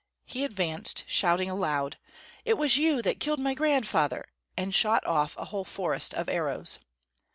He advanced, shouting aloud: "It was you that killed my grandfather," and shot off a whole forest of arrows.